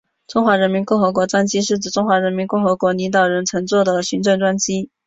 中华人民共和国专机是指中华人民共和国领导人乘坐的行政专机。